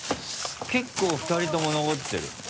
結構２人とも残ってる。